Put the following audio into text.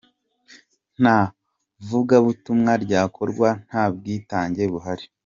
Nta vugabutumwa ryakorwa nta bwitange buhari.